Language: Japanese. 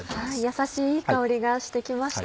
やさしいいい香りがしてきました。